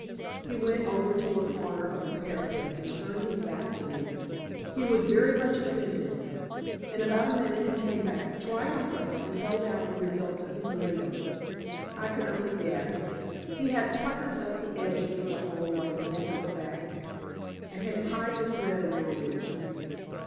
He went over to a corner of the parapet and turned his back to me. He was very much offended. In about a minute he came back, triumphant, and held out the result of his labor. I could only gasp. He had puckered up the edges of the hole like the neck of a bag, and had tied the thread around it.